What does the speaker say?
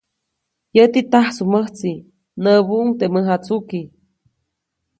Yäti, tajsuʼmäjtsi, nyäbuʼuŋ teʼ mäjatsuki.